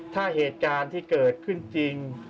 ถ้าเหตุการณ์ที่เกิดขึ้นจริง